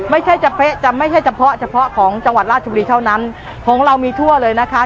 ไม่ใช่เฉพาะจะไม่ใช่เฉพาะเฉพาะของจังหวัดราชบุรีเท่านั้นของเรามีทั่วเลยนะคะ